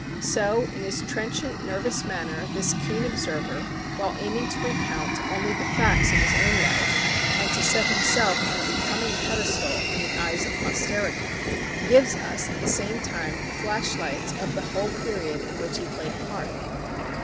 So in his trenchant, nervous manner this keen observer, while aiming to recount only the facts of his own life and to set himself on a becoming pedestal in the eyes of posterity, gives us at the same time flash lights of the whole period in which he played a part.